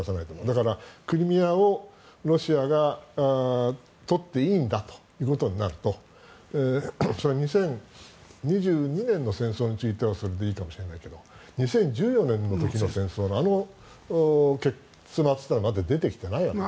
だからクリミアをロシアが取っていいんだということになるとそれは２０２２年の戦争についてはそれでいいかもしれないけど２０１４年の時の戦争のあの結末は出てきていないわけで。